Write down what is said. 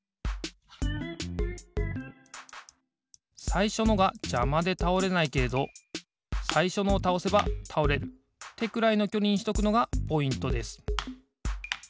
さいしょのがじゃまでたおれないけれどさいしょのをたおせばたおれるってくらいのきょりにしとくのがポイントです。